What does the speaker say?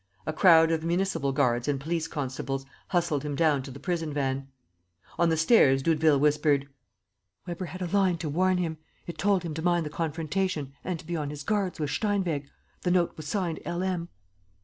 A crowd of municipal guards and police constables hustled him down to the prison van. On the stairs Doudeville whispered: "Weber had a line to warn him. It told him to mind the confrontation and to be on his guard with Steinweg. The note was signed 'L. M.'"